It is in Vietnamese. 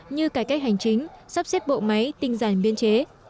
như cải cách hành chính sắp xếp bộ máy tinh giản biên chế